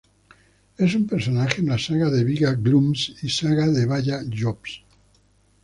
Es un personaje en la "saga de Víga-Glúms", y "saga de Valla-Ljóts".